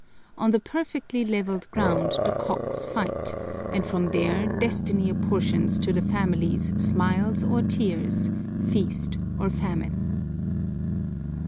On the perfectly leveled ground the cocks fight, and from there Destiny apportions to the families smiles or tears, feast or famine.